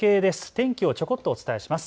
天気をちょこっとお伝えします。